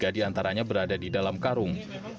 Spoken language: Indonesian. tiga diantaranya berada di dalam karung